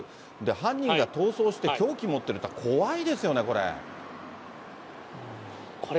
犯人が逃走して凶器持ってるって、怖いですよね、これ。